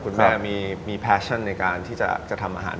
คุณแม่มีแฟชั่นในการที่จะทำอาหาร